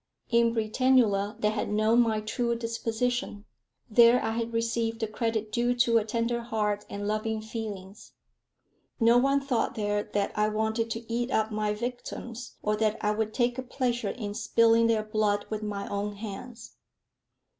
In Britannula they had known my true disposition. There I had received the credit due to a tender heart and loving feelings. No one thought there that I wanted to eat up my victims, or that I would take a pleasure in spilling their blood with my own hands.